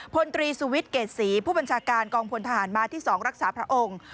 พลตรีสุวิทย์เกรดศรีผู้บัญชาการกองพลทหารมาที่๒รักษาพระองค์